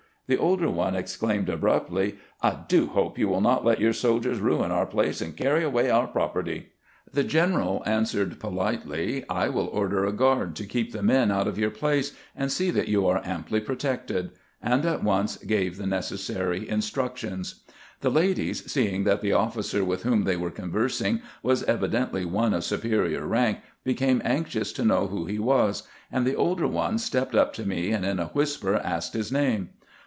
The older one exclaimed abruptly, " I do hope you will not let your soldiers ruin our place and carry away our property." The general answered politely, "I will order a guard to keep the men out of your place, and see that you are amply pro tected"; and at once gave the necessary instructions. The ladies, seeing that the officer with whom they were conversing was evidently one of superior rank, became anxious to know who he was, and the older one stepped up to me, and in a whisper asked his name.